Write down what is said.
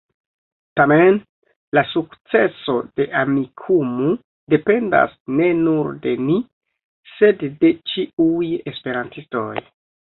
Tamen, la sukceso de Amikumu dependas ne nur de ni, sed de ĉiuj esperantistoj.